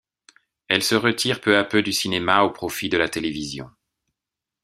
Elle se retire peu à peu du cinéma au profit de la télévision.